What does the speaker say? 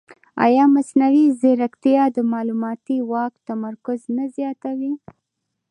ایا مصنوعي ځیرکتیا د معلوماتي واک تمرکز نه زیاتوي؟